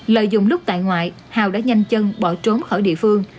lợi dụng lúc tại ngoại hào đã nhanh chân bỏ trốn khỏi địa phương